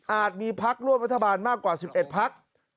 อาจมีภักดิ์ร่วมรัฐบาลมากกว่า๑๑ภักดิ์